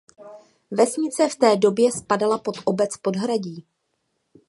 Vesnice v té době spadala pod obec Podhradí.